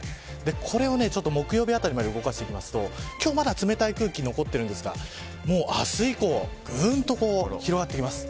これを木曜あたりまで動かしていくと今日はまだ冷たい空気が残ってるんですが明日以降はぐんと広がってきます。